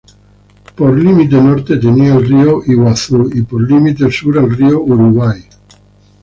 Por límite norte tenía al río Iguazú, y por límite sur al río Uruguay.